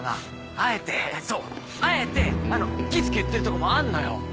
あえてそうあえてキツく言ってるとこもあんのよ。